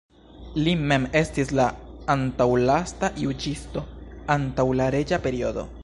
Li mem estis la antaŭlasta juĝisto antaŭ la reĝa periodo.